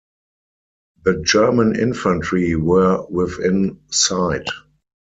The German infantry were within sight.